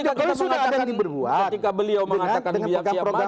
dengan program program pelajarannya